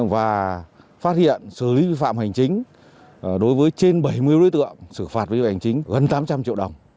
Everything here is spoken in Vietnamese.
và phát hiện xử lý phạm hành chính đối với trên bảy mươi đối tượng xử phạt vi hành chính gần tám trăm linh triệu đồng